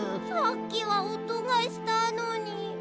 さっきはおとがしたのに。